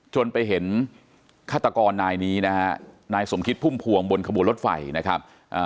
จนไปเห็นฆาตกรนายนี้นะฮะนายสมคิดพุ่มพวงบนขบวนรถไฟนะครับ